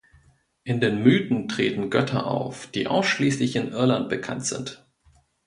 In den Mythen treten Götter auf, die ausschließlich in Irland bekannt sind.